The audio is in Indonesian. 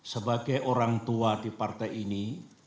sebagai orang tua di partai ini